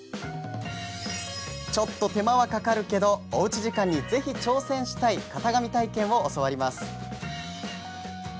ちょっと手間はかかるけどおうち時間に、ぜひ挑戦したい型紙体験を教わります。